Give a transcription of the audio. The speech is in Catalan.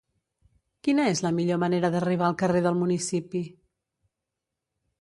Quina és la millor manera d'arribar al carrer del Municipi?